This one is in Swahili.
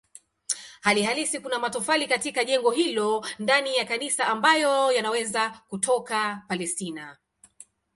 Hali halisi kuna matofali katika jengo hilo ndani ya kanisa ambayo yanaweza kutoka Palestina.